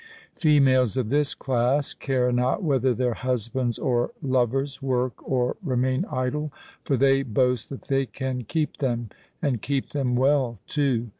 Females of this class care not whether their husbands or lovers work or remain idle; for they boast that they can keep them—and keep them well, too.